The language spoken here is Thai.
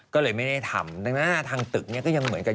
ก็เลยไม่ได้ทำดังนั้นทางตึกเนี่ยก็ยังเหมือนกัน